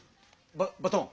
ババトン。